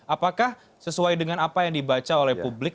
apakah sesuai dengan apa yang dibaca oleh publik